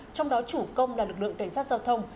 trong đó chủ công là lực lượng cảnh sát giao thông